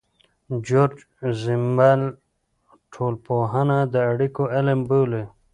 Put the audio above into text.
جورج زیمل ټولنپوهنه د اړیکو علم بولي.